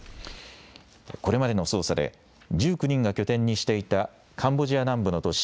これまでの捜査で、１９人が拠点にしていたカンボジア南部の都市